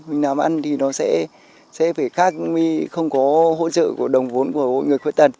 mình làm ăn thì nó sẽ phải khác không có hỗ trợ của đồng vốn của người khuyết tật